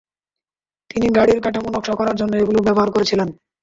তিনি গাড়ির কাঠামো নকশা করার জন্য এগুলো ব্যবহার করেছিলেন।